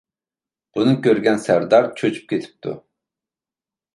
بۇنى كۆرگەن سەردار چۆچۈپ كېتىپتۇ.